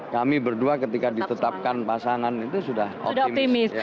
kami berdua ketika ditetapkan pasangan itu sudah optimis